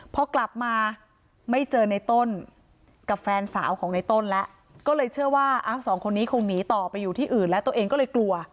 พอกลับมาไม่เจอในต้นกับแฟนสาวของในต้นแล้วก็เลยเชื่อว่าสองคนนี้คงหนีต่อไปอยู่ที่อื่นแล้วตัวเองก็เลยกลัว